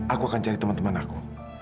aku akan cari teman teman aku